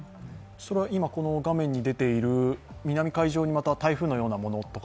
それは今、この画面に出ている南海上に台風のようなものが？